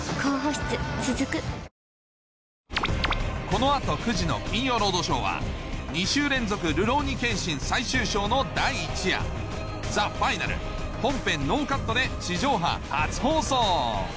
この後９時の『金曜ロードショー』は２週連続『るろうに剣心最終章』の第１夜『ＴｈｅＦｉｎａｌ』本編ノーカットで地上波初放送！